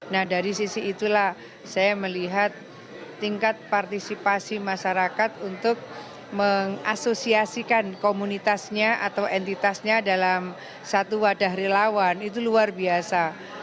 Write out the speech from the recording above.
nah dari sisi itulah saya melihat tingkat partisipasi masyarakat untuk mengasosiasikan komunitasnya atau entitasnya dalam satu wadah relawan itu luar biasa